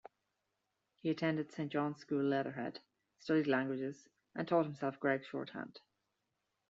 He attended Saint John's School, Leatherhead, studied languages and taught himself Gregg Shorthand.